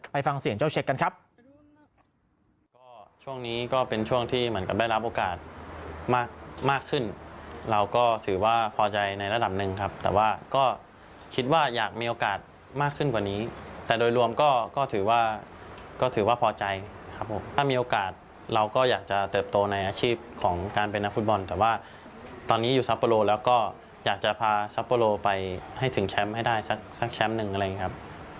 ไปฟังเสียงเจ้าเช็คกันครับ